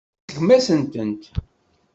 Iseggem-asen-tent.